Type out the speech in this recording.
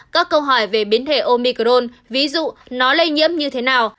các câu hỏi về biến thể omicron ví dụ nó lây nhiễm như thế nào